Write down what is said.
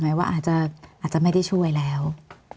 มีความรู้สึกว่ามีความรู้สึกว่า